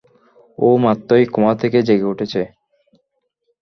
ও মাত্রই কোমা থেকে জেগে উঠেছে!